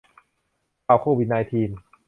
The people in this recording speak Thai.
ข่าวโควิดไนน์ทีน